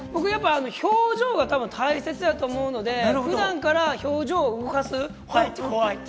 表情が大切やと思うので普段から表情を動かす。